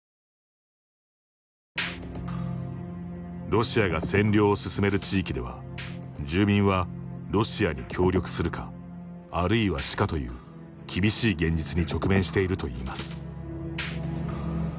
ロシアが占領を進める地域では住民はロシアに協力するかあるいは死かという厳しい現実に直面しているといいます。